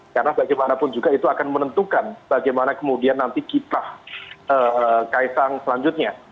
karena bagaimanapun juga itu akan menentukan bagaimana kemudian nanti kita kaisang selanjutnya